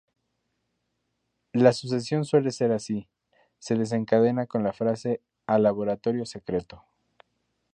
La sucesión suele ser así: se desencadena con la frase ""¡al laboratorio secreto!